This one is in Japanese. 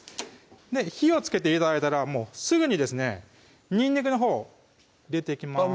火をつけて頂いたらもうすぐにですねにんにくのほう入れていきます